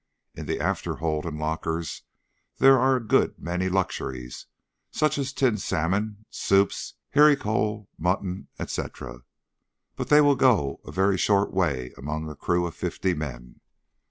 In the after hold and lockers there are a good many luxuries, such as tinned salmon, soups, haricot mutton, &c., but they will go a very short way among a crew of fifty men.